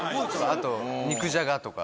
あと肉じゃがとか。